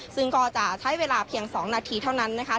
ซึ่งก็จะใช้เวลาเพียง๒นาทีเท่านั้นนะคะ